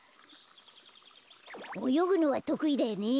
およぐのはとくいだよね？